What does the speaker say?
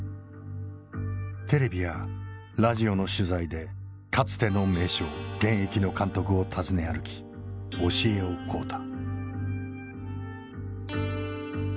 テレビやラジオの取材でかつての名将現役の監督を訪ね歩き教えを請うた。